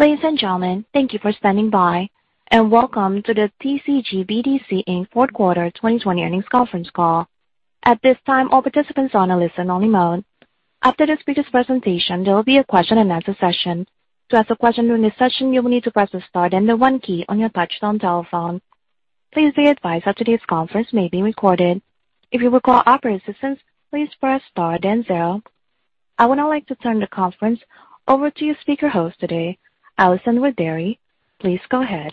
I would now like to turn the conference over to your speaker host today, Allison Rudary. Please go ahead.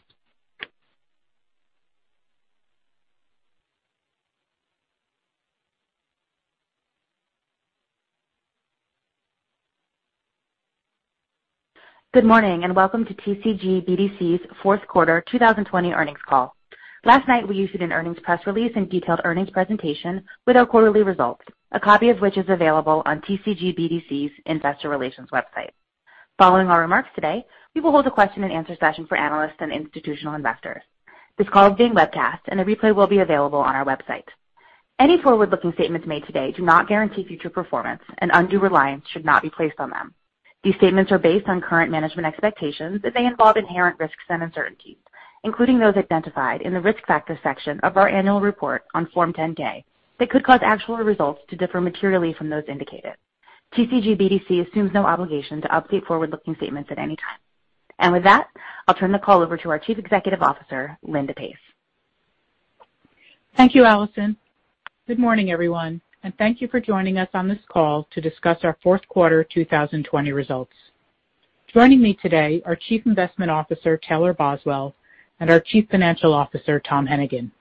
Good morning, welcome to TCG BDC's fourth quarter 2020 earnings call. Last night, we issued an earnings press release and detailed earnings presentation with our quarterly results, a copy of which is available on TCG BDC's Investor Relations website. Following our remarks today, we will hold a question-and-answer session for analysts and institutional investors. This call is being webcast, a replay will be available on our website. Any forward-looking statements made today do not guarantee future performance, undue reliance should not be placed on them. These statements are based on current management expectations, they involve inherent risks and uncertainties, including those identified in the risk factors section of our annual report on Form 10-K, that could cause actual results to differ materially from those indicated. TCG BDC assumes no obligation to update forward-looking statements at any time. With that, I'll turn the call over to our Chief Executive Officer, Linda Pace. Thank you, Allison. Good morning, everyone, thank you for joining us on this call to discuss our fourth quarter 2020 results. Joining me today are Chief Investment Officer Taylor Boswell and our Chief Financial Officer, Tom Hennigan.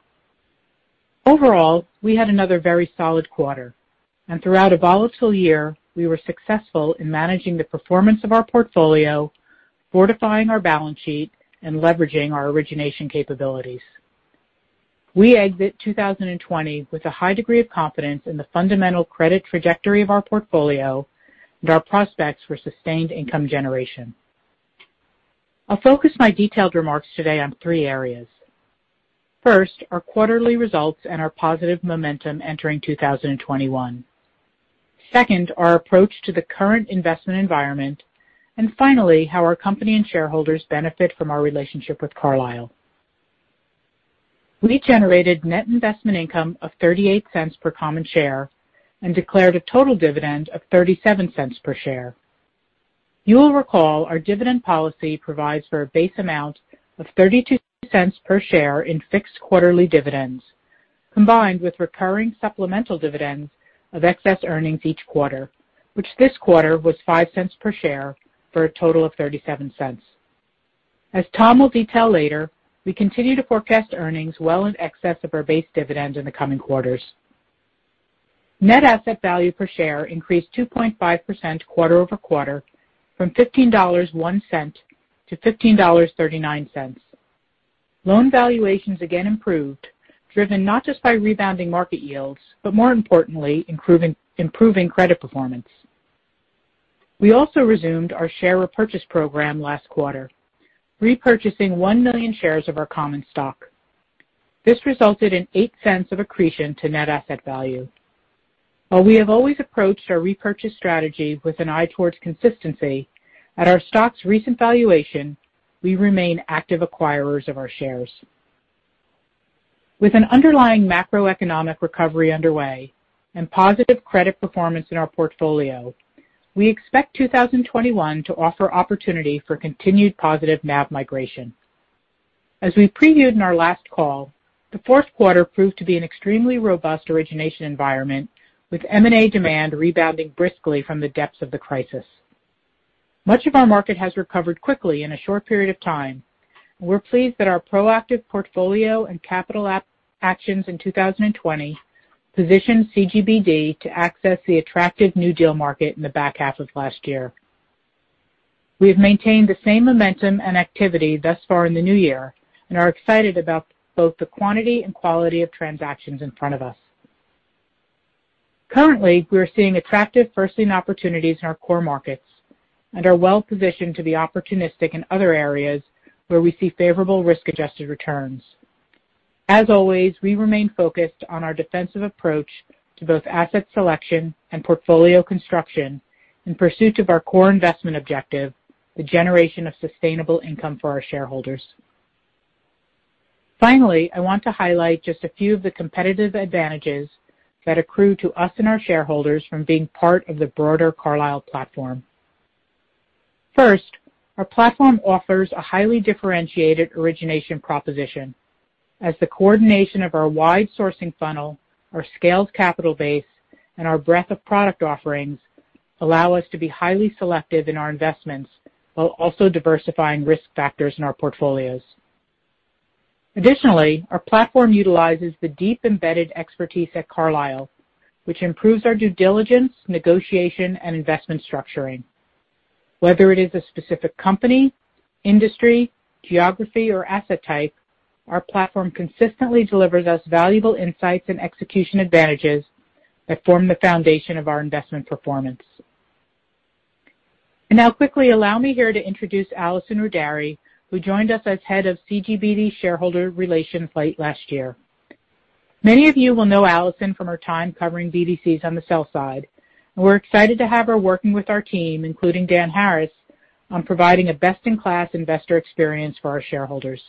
Overall, we had another very solid quarter, and throughout a volatile year, we were successful in managing the performance of our portfolio, fortifying our balance sheet, and leveraging our origination capabilities. We exit 2020 with a high degree of confidence in the fundamental credit trajectory of our portfolio and our prospects for sustained income generation. I'll focus my detailed remarks today on three areas. First, our quarterly results and our positive momentum entering 2021. Second, our approach to the current investment environment, and finally, how our company and shareholders benefit from our relationship with Carlyle. We generated net investment income of $0.38 per common share and declared a total dividend of $0.37 per share. You will recall our dividend policy provides for a base amount of $0.32 per share in fixed quarterly dividends, combined with recurring supplemental dividends of excess earnings each quarter, which this quarter was $0.05 per share for a total of $0.37. As Tom will detail later, we continue to forecast earnings well in excess of our base dividend in the coming quarters. Net asset value per share increased 2.5% quarter-over-quarter from $15.01 to $15.39. Loan valuations again improved, driven not just by rebounding market yields, but more importantly, improving credit performance. We also resumed our share repurchase program last quarter, repurchasing 1 million shares of our common stock. This resulted in $0.08 of accretion to net asset value. While we have always approached our repurchase strategy with an eye towards consistency, at our stock's recent valuation, we remain active acquirers of our shares. With an underlying macroeconomic recovery underway and positive credit performance in our portfolio, we expect 2021 to offer opportunity for continued positive NAV migration. As we previewed in our last call, the fourth quarter proved to be an extremely robust origination environment, with M&A demand rebounding briskly from the depths of the crisis. Much of our market has recovered quickly in a short period of time. We're pleased that our proactive portfolio and capital actions in 2020 positioned CGBD to access the attractive new deal market in the back half of last year. We have maintained the same momentum and activity thus far in the new year and are excited about both the quantity and quality of transactions in front of us. Currently, we are seeing attractive first lien opportunities in our core markets and are well positioned to be opportunistic in other areas where we see favorable risk-adjusted returns. As always, we remain focused on our defensive approach to both asset selection and portfolio construction in pursuit of our core investment objective, the generation of sustainable income for our shareholders. Finally, I want to highlight just a few of the competitive advantages that accrue to us and our shareholders from being part of the broader Carlyle platform. First, our platform offers a highly differentiated origination proposition as the coordination of our wide sourcing funnel, our scaled capital base, and our breadth of product offerings allow us to be highly selective in our investments while also diversifying risk factors in our portfolios. Additionally, our platform utilizes the deep embedded expertise at Carlyle, which improves our due diligence, negotiation, and investment structuring. Whether it is a specific company, industry, geography, or asset type, our platform consistently delivers us valuable insights and execution advantages that form the foundation of our investment performance. Now quickly allow me here to introduce Allison Rudary, who joined us as Head of CGBD Shareholder Relations late last year. Many of you will know Allison from her time covering BDCs on the sell side. We're excited to have her working with our team, including Dan Harris, on providing a best-in-class investor experience for our shareholders.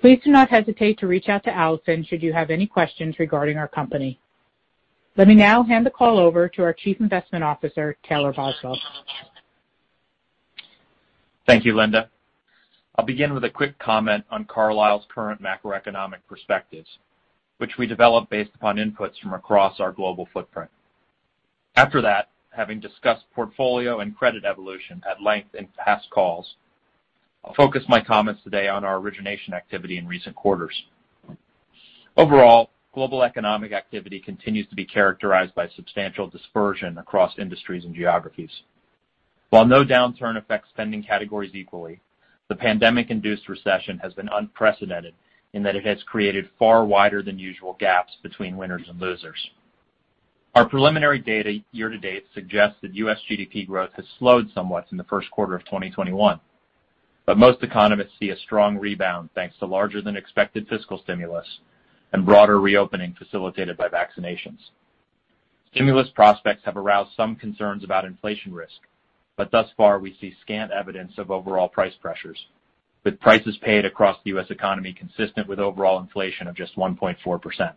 Please do not hesitate to reach out to Allison should you have any questions regarding our company. Let me now hand the call over to our Chief Investment Officer, Taylor Boswell. Thank you, Linda. I'll begin with a quick comment on Carlyle's current macroeconomic perspectives, which we develop based upon inputs from across our global footprint. After that, having discussed portfolio and credit evolution at length in past calls, I'll focus my comments today on our origination activity in recent quarters. Overall, global economic activity continues to be characterized by substantial dispersion across industries and geographies. While no downturn affects spending categories equally, the pandemic-induced recession has been unprecedented in that it has created far wider than usual gaps between winners and losers. Our preliminary data year-to-date suggests that U.S. GDP growth has slowed somewhat in the first quarter of 2021. Most economists see a strong rebound, thanks to larger than expected fiscal stimulus and broader reopening facilitated by vaccinations. Stimulus prospects have aroused some concerns about inflation risk, thus far, we see scant evidence of overall price pressures, with prices paid across the U.S. economy consistent with overall inflation of just 1.4%.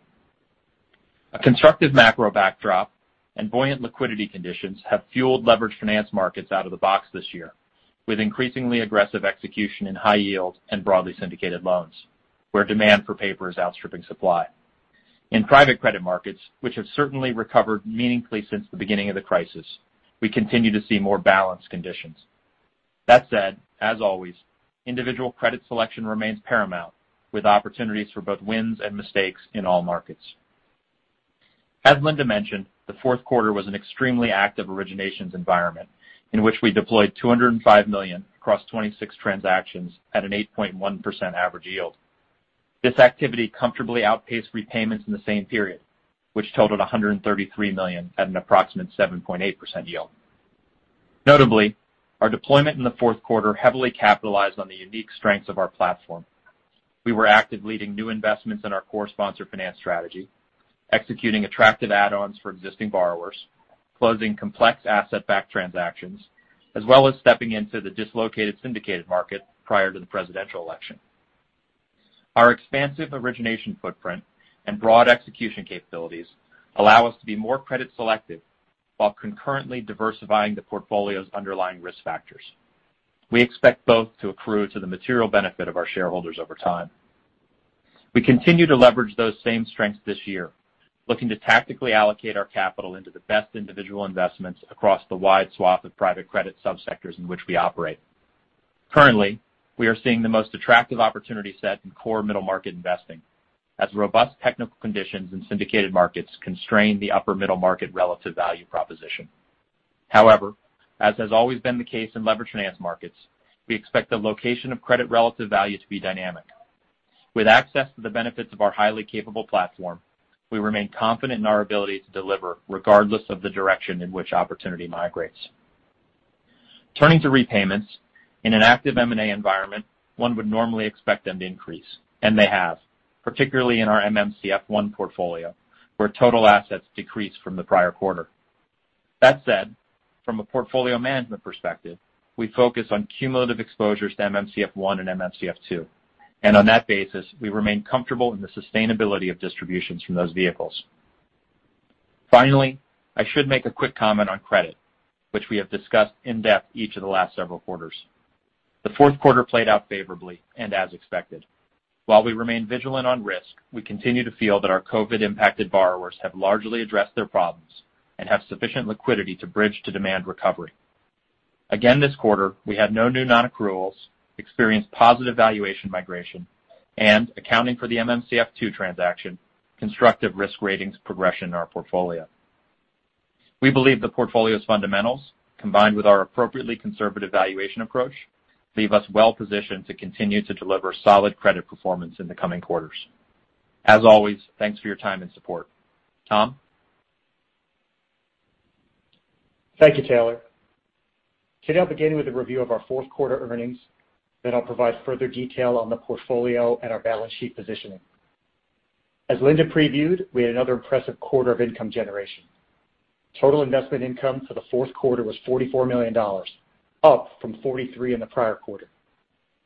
A constructive macro backdrop and buoyant liquidity conditions have fueled leveraged finance markets out of the box this year, with increasingly aggressive execution in high yield and broadly syndicated loans, where demand for paper is outstripping supply. In private credit markets, which have certainly recovered meaningfully since the beginning of the crisis, we continue to see more balanced conditions. That said, as always, individual credit selection remains paramount, with opportunities for both wins and mistakes in all markets. As Linda mentioned, the fourth quarter was an extremely active originations environment, in which we deployed $205 million across 26 transactions at an 8.1% average yield. This activity comfortably outpaced repayments in the same period, which totaled $133 million at an approximate 7.8% yield. Notably, our deployment in the fourth quarter heavily capitalized on the unique strengths of our platform. We were active leading new investments in our core sponsor finance strategy, executing attractive add-ons for existing borrowers, closing complex asset-backed transactions, as well as stepping into the dislocated syndicated market prior to the presidential election. Our expansive origination footprint and broad execution capabilities allow us to be more credit selective while concurrently diversifying the portfolio's underlying risk factors. We expect both to accrue to the material benefit of our shareholders over time. We continue to leverage those same strengths this year, looking to tactically allocate our capital into the best individual investments across the wide swath of private credit sub-sectors in which we operate. Currently, we are seeing the most attractive opportunity set in core middle-market investing, as robust technical conditions in syndicated markets constrain the upper middle market relative value proposition. However, as has always been the case in leverage finance markets, we expect the location of credit relative value to be dynamic. With access to the benefits of our highly capable platform, we remain confident in our ability to deliver regardless of the direction in which opportunity migrates. Turning to repayments, in an active M&A environment, one would normally expect them to increase, and they have, particularly in our MMCF I portfolio, where total assets decreased from the prior quarter. That said, from a portfolio management perspective, we focus on cumulative exposures to MMCF I and MMCF II, and on that basis, we remain comfortable in the sustainability of distributions from those vehicles. Finally, I should make a quick comment on credit, which we have discussed in-depth each of the last several quarters. The fourth quarter played out favorably and as expected. While we remain vigilant on risk, we continue to feel that our COVID-impacted borrowers have largely addressed their problems and have sufficient liquidity to bridge to demand recovery. Again, this quarter, we had no new non-accruals, experienced positive valuation migration, and accounting for the MMCF II transaction, constructive risk ratings progression in our portfolio. We believe the portfolio's fundamentals, combined with our appropriately conservative valuation approach, leave us well positioned to continue to deliver solid credit performance in the coming quarters. As always, thanks for your time and support. Tom? Thank you, Taylor. Today, I'll begin with a review of our fourth quarter earnings, then I'll provide further detail on the portfolio and our balance sheet positioning. As Linda previewed, we had another impressive quarter of income generation. Total investment income for the fourth quarter was $44 million, up from $43 million in the prior quarter.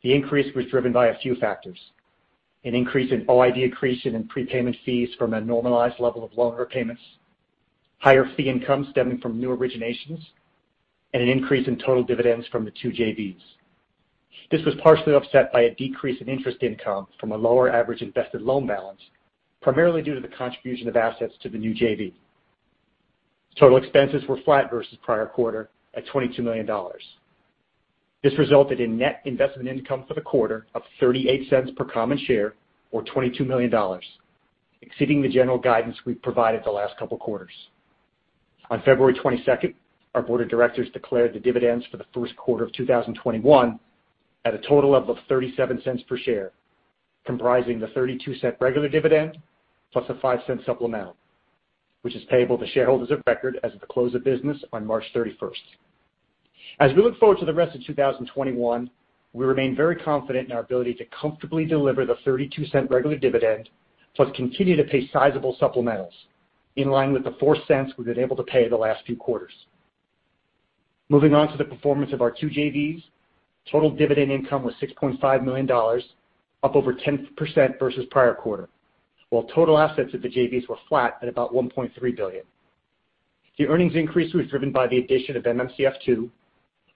The increase was driven by a few factors, an increase in OID accretion and prepayment fees from a normalized level of loan repayments, higher fee income stemming from new originations, and an increase in total dividends from the two JVs. This was partially offset by a decrease in interest income from a lower average invested loan balance, primarily due to the contribution of assets to the new JV. Total expenses were flat versus prior quarter at $22 million. This resulted in net investment income for the quarter of $0.38 per common share or $22 million, exceeding the general guidance we've provided the last couple of quarters. On February 22nd, our board of directors declared the dividends for the first quarter of 2021 at a total of $0.37 per share, comprising the $0.32 regular dividend plus a $0.05 supplement, which is payable to shareholders of record as of the close of business on March 31st. As we look forward to the rest of 2021, we remain very confident in our ability to comfortably deliver the $0.32 regular dividend, plus continue to pay sizable supplementals, in line with the $0.04 we've been able to pay the last few quarters. Moving on to the performance of our two JVs. Total dividend income was $6.5 million, up over 10% versus prior quarter. While total assets of the JVs were flat at about $1.3 billion. The earnings increase was driven by the addition of MMCF II,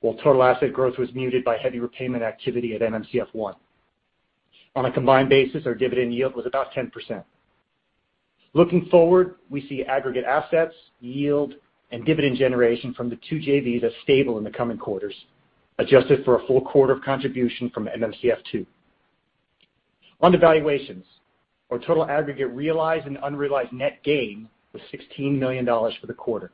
while total asset growth was muted by heavy repayment activity at MMCF I. On a combined basis, our dividend yield was about 10%. Looking forward, we see aggregate assets, yield, and dividend generation from the two JVs as stable in the coming quarters, adjusted for a full quarter of contribution from MMCF II. On to valuations. Our total aggregate realized and unrealized net gain was $16 million for the quarter.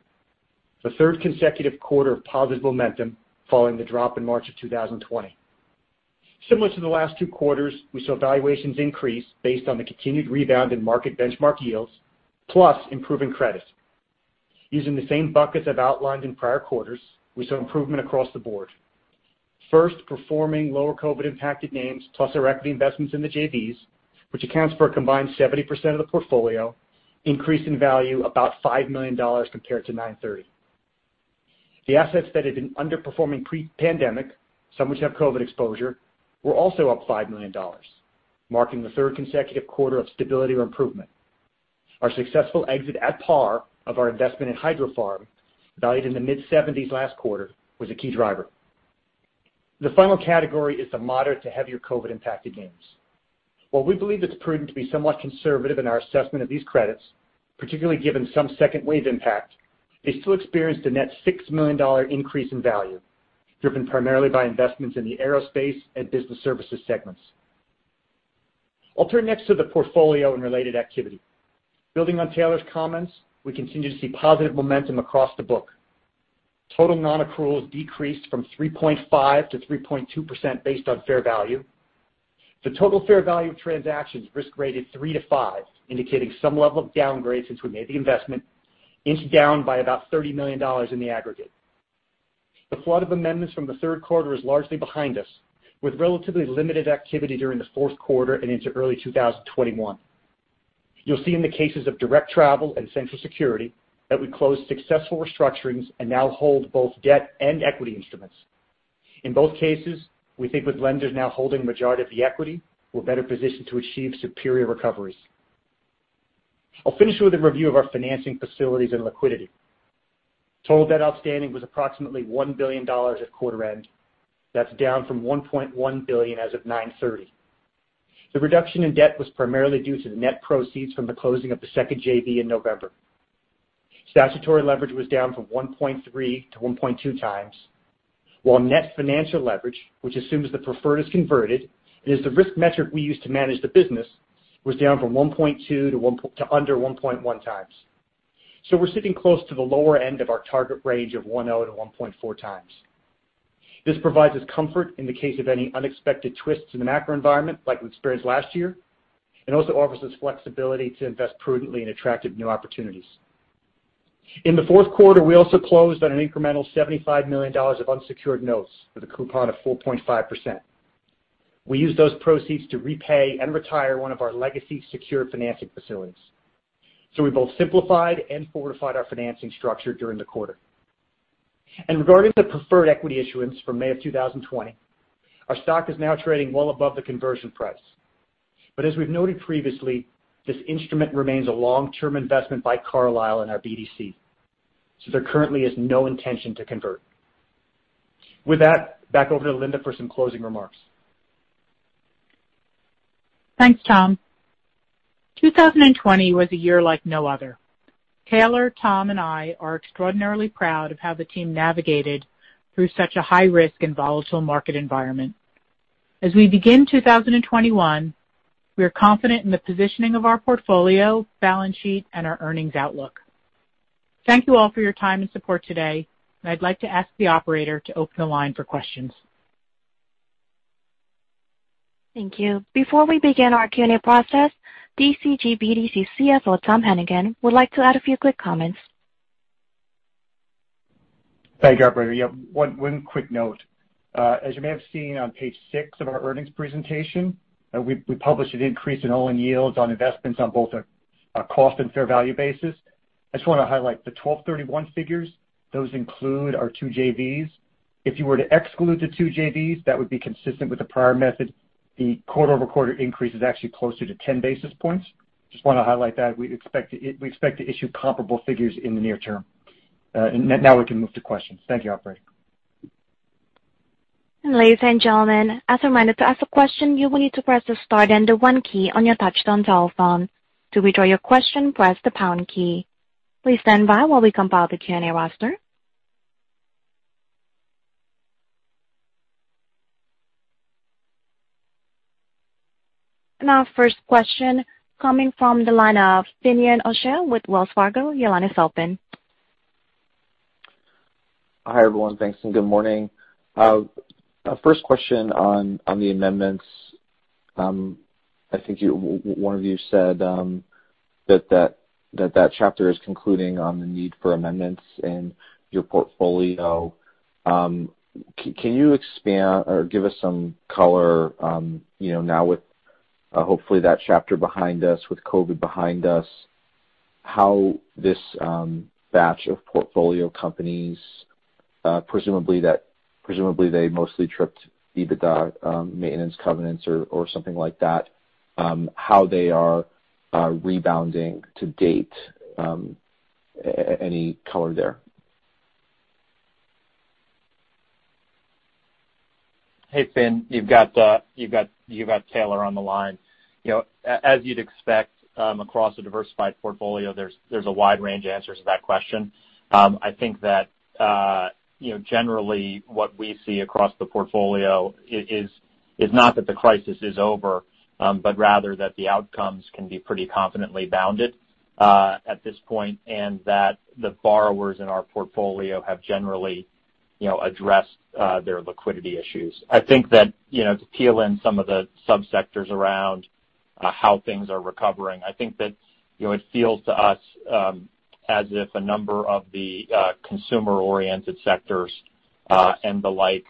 The third consecutive quarter of positive momentum following the drop in March 2020. Similar to the last two quarters, we saw valuations increase based on the continued rebound in market benchmark yields, plus improving credit. Using the same buckets I've outlined in prior quarters, we saw improvement across the board. First, performing lower COVID-impacted names, plus our equity investments in the JVs, which accounts for a combined 70% of the portfolio, increase in value about $5 million compared to 9/30. The assets that had been underperforming pre-pandemic, some which have COVID exposure, were also up $5 million, marking the third consecutive quarter of stability or improvement. Our successful exit at par of our investment in Hydrofarm, valued in the mid-seventies last quarter, was a key driver. The final category is the moderate to heavier COVID-impacted gains. While we believe it's prudent to be somewhat conservative in our assessment of these credits, particularly given some second wave impact, they still experienced a net $6 million increase in value, driven primarily by investments in the aerospace and business services segments. I'll turn next to the portfolio and related activity. Building on Taylor's comments, we continue to see positive momentum across the book. Total non-accruals decreased from 3.5% to 3.2% based on fair value. The total fair value of transactions risk-graded three to five, indicating some level of downgrade since we made the investment, inched down by about $30 million in the aggregate. The flood of amendments from the third quarter is largely behind us, with relatively limited activity during the fourth quarter and into early 2021. You'll see in the cases of Direct Travel and Central Security that we closed successful restructurings and now hold both debt and equity instruments. In both cases, we think with lenders now holding the majority of the equity, we're better positioned to achieve superior recoveries. I'll finish with a review of our financing facilities and liquidity. Total debt outstanding was approximately $1 billion at quarter end. That's down from $1.1 billion as of 9/30. The reduction in debt was primarily due to the net proceeds from the closing of the second JV in November. Statutory leverage was down from 1.3x to 1.2x. While net financial leverage, which assumes the preferred is converted, and is the risk metric we use to manage the business, was down from 1.2x to under 1.1x. We're sitting close to the lower end of our target range of 1x and to 1.4x. This provides us comfort in the case of any unexpected twists in the macro environment like we experienced last year, and also offers us flexibility to invest prudently in attractive new opportunities. In the fourth quarter, we also closed on an incremental $75 million of unsecured notes with a coupon of 4.5%. We used those proceeds to repay and retire one of our legacy secured financing facilities. We both simplified and fortified our financing structure during the quarter. Regarding the preferred equity issuance from May of 2020, our stock is now trading well above the conversion price. As we've noted previously, this instrument remains a long-term investment by Carlyle and our BDC. There currently is no intention to convert. With that, back over to Linda for some closing remarks. Thanks, Tom. 2020 was a year like no other. Taylor, Tom, and I are extraordinarily proud of how the team navigated through such a high-risk and volatile market environment. As we begin 2021, we are confident in the positioning of our portfolio, balance sheet, and our earnings outlook. Thank you all for your time and support today, and I'd like to ask the operator to open the line for questions. Thank you. Before we begin our Q&A process, TCG BDC CFO Tom Hennigan would like to add a few quick comments. Thank you, operator. Yeah, one quick note. As you may have seen on page six of our earnings presentation, we published an increase in all-in yields on investments on both a cost and fair value basis. I just want to highlight the 12/31 figures. Those include our two JVs. If you were to exclude the two JVs, that would be consistent with the prior method. The quarter-over-quarter increase is actually closer to 10 basis points. Just want to highlight that. We expect to issue comparable figures in the near term. Now we can move to questions. Thank you, operator. Ladies and gentlemen, as a reminder, to ask a question, you will need to press the star then the one key on your touchtone telephone. To withdraw your question, press the pound key. Please stand by while we compile the Q&A roster. Our first question coming from the line of Finian O'Shea with Wells Fargo. Your line is open. Hi, everyone. Thanks and good morning. First question on the amendments. I think one of you said that chapter is concluding on the need for amendments in your portfolio. Can you expand or give us some color now with hopefully that chapter behind us, with COVID behind us, how this batch of portfolio companies, presumably they mostly tripped EBITDA maintenance covenants or something like that, how they are rebounding to date? Any color there? Hey, Finn, you've got Taylor on the line. As you'd expect across a diversified portfolio, there's a wide range of answers to that question. I think that generally what we see across the portfolio is not that the crisis is over, but rather that the outcomes can be pretty confidently bounded at this point, and that the borrowers in our portfolio have generally addressed their liquidity issues. I think that to peel in some of the sub-sectors around how things are recovering, I think that it feels to us as if a number of the consumer-oriented sectors and the like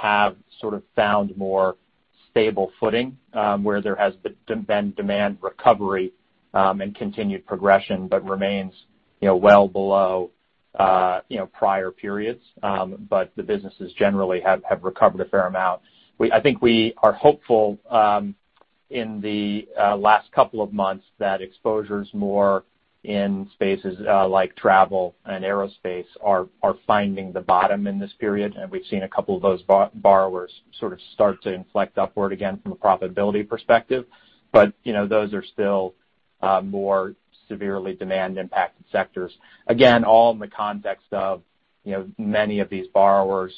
have sort of found more stable footing where there has been demand recovery and continued progression, but remains well below prior periods. The businesses generally have recovered a fair amount. I think we are hopeful in the last couple of months that exposures more in spaces like travel and aerospace are finding the bottom in this period, and we've seen a couple of those borrowers sort of start to inflect upward again from a profitability perspective. Those are still more severely demand-impacted sectors. Again, all in the context of many of these borrowers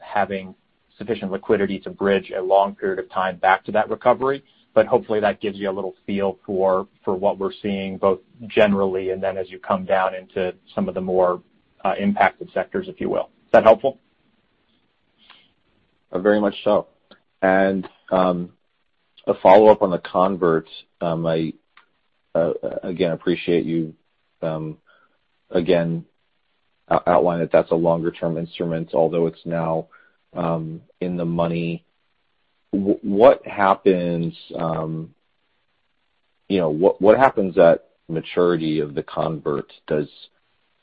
having sufficient liquidity to bridge a long period of time back to that recovery. Hopefully that gives you a little feel for what we're seeing both generally and then as you come down into some of the more impacted sectors, if you will. Is that helpful? Very much so. A follow-up on the convert. I again appreciate you again outlining that that's a longer-term instrument, although it's now in the money. What happens at maturity of the convert? Do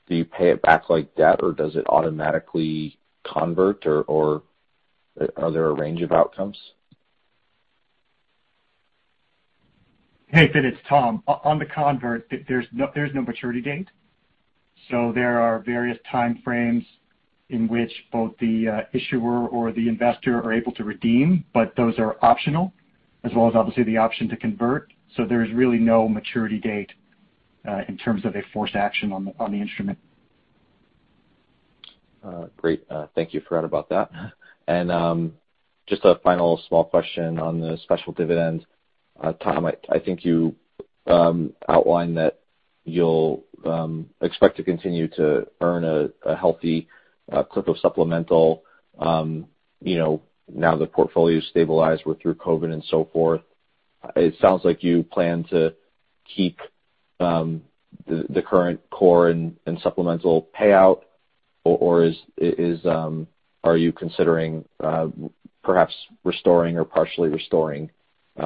you pay it back like debt, or does it automatically convert, or are there a range of outcomes? Hey, Finn, it's Tom. On the convert, there's no maturity date. There are various time frames in which both the issuer or the investor are able to redeem, but those are optional, as well as obviously the option to convert. There is really no maturity date in terms of a forced action on the instrument. Great. Thank you. Forgot about that. Just a final small question on the special dividend. Tom, I think you outlined that you'll expect to continue to earn a healthy clip of supplemental now the portfolio's stabilized through COVID and so forth. It sounds like you plan to keep the current core and supplemental payout, or are you considering perhaps restoring or partially restoring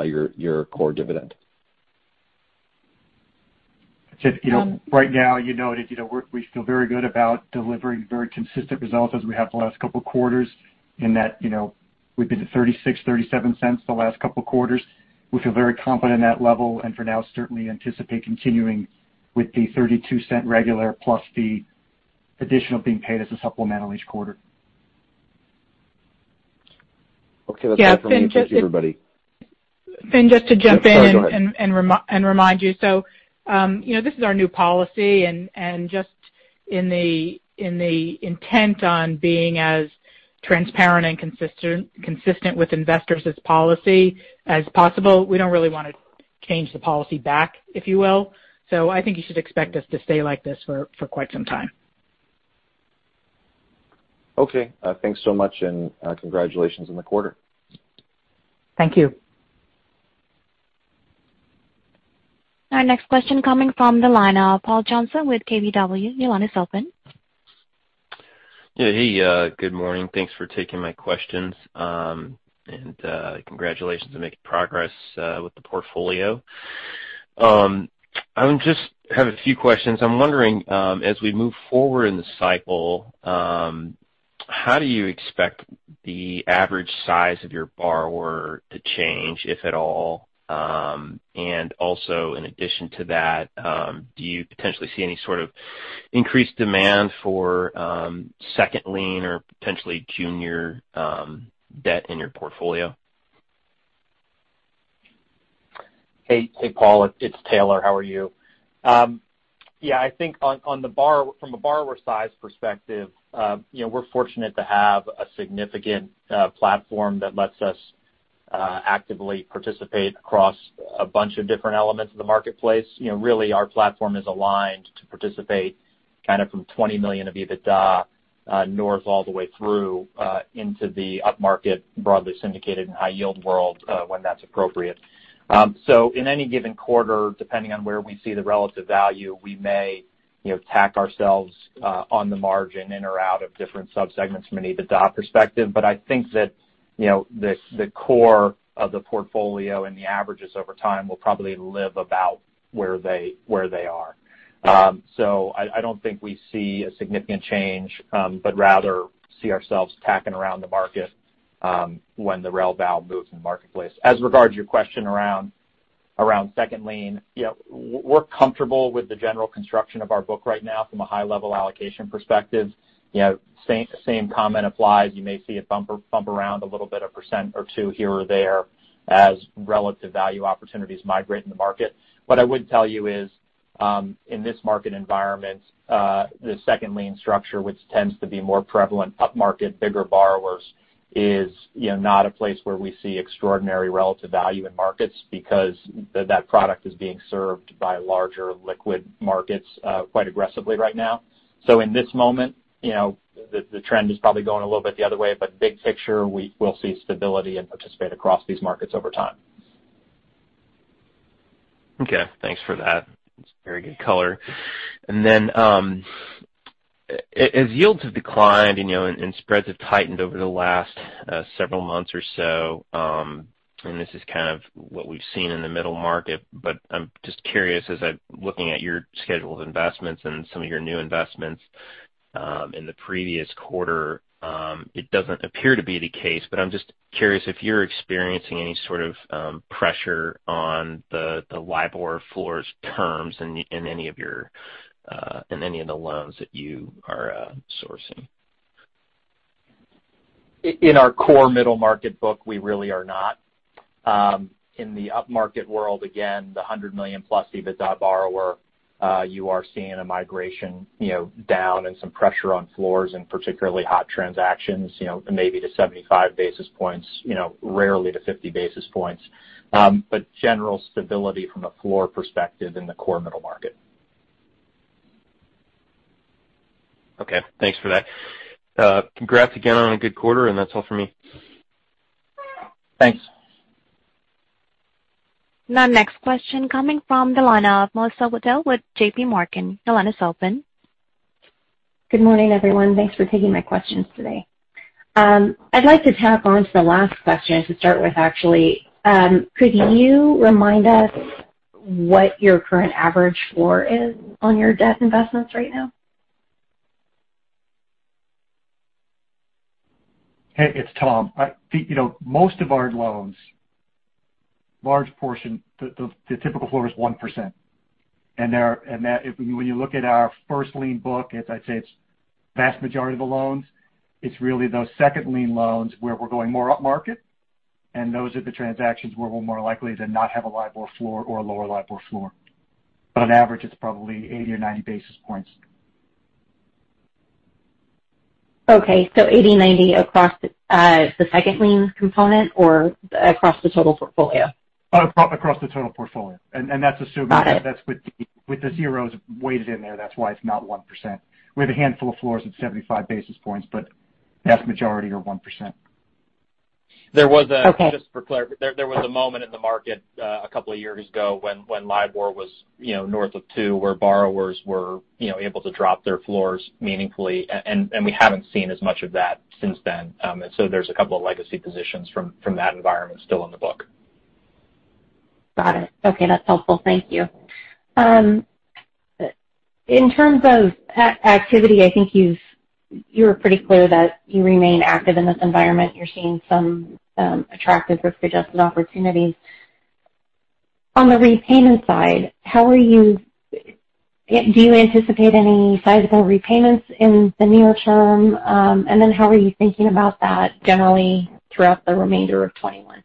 your core dividend? Finn, right now we feel very good about delivering very consistent results as we have the last couple of quarters in that we've been to $0.36, $0.37 the last couple of quarters. We feel very confident in that level, for now certainly anticipate continuing with the $0.32 regular plus the additional being paid as a supplemental each quarter. Okay. That's all for me. Thank you, everybody. Finn, just to jump in. Sorry, go ahead. Remind you. This is our new policy and just in the intent on being as transparent and consistent with investors as policy as possible, we don't really want to change the policy back, if you will. I think you should expect us to stay like this for quite some time. Okay. Thanks so much, and congratulations on the quarter. Thank you. Our next question coming from the line of Paul Johnson with KBW. Your line is open. Yeah. Hey good morning. Thanks for taking my questions. Congratulations on making progress with the portfolio. I just have a few questions. I'm wondering, as we move forward in the cycle, how do you expect the average size of your borrower to change, if at all? Also, in addition to that, do you potentially see any sort of increased demand for second lien or potentially junior debt in your portfolio? Hey, Paul. It's Taylor. How are you? Yeah, I think from a borrower size perspective we're fortunate to have a significant platform that lets us actively participate across a bunch of different elements of the marketplace. Really, our platform is aligned to participate kind of from $20 million of EBITDA all the way through into the upmarket, broadly syndicated, and high yield world when that's appropriate. In any given quarter, depending on where we see the relative value, we may tack ourselves on the margin in or out of different sub-segments from an EBITDA perspective. I think that the core of the portfolio and the averages over time will probably live about where they are. I don't think we see a significant change, but rather see ourselves tacking around the market when the relative value moves in the marketplace. As regards to your question around second lien, we're comfortable with the general construction of our book right now from a high-level allocation perspective. Same comment applies. You may see a bump around a little bit, a percent or two here or there, as relative value opportunities migrate in the market. What I would tell you is, in this market environment, the second lien structure, which tends to be more prevalent upmarket, bigger borrowers, is not a place where we see extraordinary relative value in markets because that product is being served by larger liquid markets quite aggressively right now. In this moment, the trend is probably going a little bit the other way. Big picture, we'll see stability and participate across these markets over time. Okay. Thanks for that. It's very good color. As yields have declined and spreads have tightened over the last several months or so, and this is kind of what we've seen in the middle market, but I'm just curious, as I'm looking at your schedule of investments and some of your new investments in the previous quarter, it doesn't appear to be the case, but I'm just curious if you're experiencing any sort of pressure on the LIBOR floors terms in any of the loans that you are sourcing. In our core middle market book, we really are not. In the upmarket world, again, the $100 million+ EBITDA borrower, you are seeing a migration down and some pressure on floors and particularly hot transactions maybe to 75 basis points, rarely to 50 basis points. General stability from a floor perspective in the core middle market. Okay. Thanks for that. Congrats again on a good quarter, and that's all for me. Thanks. Next question coming from Melissa Wedel with JPMorgan. Your line is open. Good morning, everyone. Thanks for taking my questions today. I'd like to tap onto the last question to start with, actually. Could you remind us what your current average floor is on your debt investments right now? Hey, it's Tom. Most of our loans, large portion, the typical floor is 1%. When you look at our first lien book, as I say, it's vast majority of the loans. It's really those second lien loans where we're going more upmarket, and those are the transactions where we're more likely to not have a LIBOR floor or a lower LIBOR floor. On average, it's probably 80 or 90 basis points. Okay. 80, 90 across the second lien component or across the total portfolio? Across the total portfolio. Got it. That's assuming that's with the zeros weighted in there. That's why it's not 1%. We have a handful of floors at 75 basis points. Vast majority are 1%. Just for clarity, there was a moment in the market a couple of years ago when LIBOR was north of two, where borrowers were able to drop their floors meaningfully, we haven't seen as much of that since then. There's a couple of legacy positions from that environment still on the book. Got it. Okay, that's helpful. Thank you. In terms of activity, I think you were pretty clear that you remain active in this environment. You're seeing some attractive risk-adjusted opportunities. On the repayment side, do you anticipate any sizable repayments in the near term? How are you thinking about that generally throughout the remainder of 2021?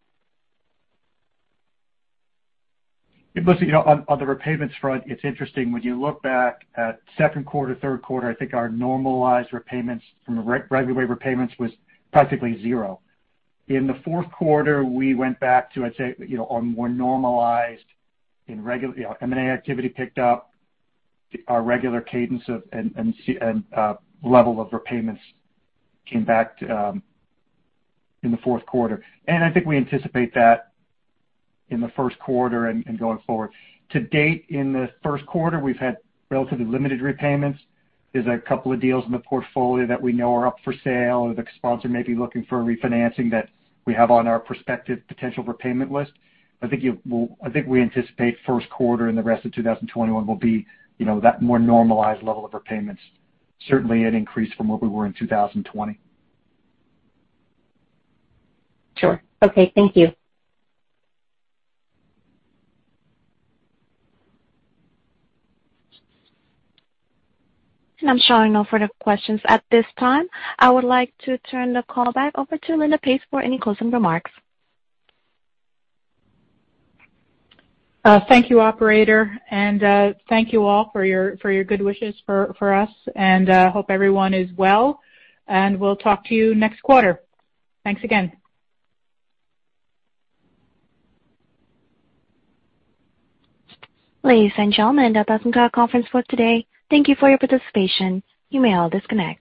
Melissa, on the repayments front, it's interesting. When you look back at second quarter, third quarter, I think our normalized repayments from a regular way repayments was practically zero. The fourth quarter, we went back to, I'd say, on more normalized M&A activity picked up. Our regular cadence and level of repayments came back in the fourth quarter. I think we anticipate that in the first quarter and going forward. To date, in the first quarter, we've had relatively limited repayments. There's a couple of deals in the portfolio that we know are up for sale, or the sponsor may be looking for refinancing that we have on our prospective potential repayment list. I think we anticipate first quarter and the rest of 2021 will be that more normalized level of repayments. Certainly an increase from what we were in 2020. Sure. Okay. Thank you. I'm showing no further questions at this time. I would like to turn the call back over to Linda Pace for any closing remarks. Thank you, operator. Thank you all for your good wishes for us, and hope everyone is well. We'll talk to you next quarter. Thanks again. Ladies and gentlemen, that does end our conference for today. Thank Thank you for your participation. You may all disconnect.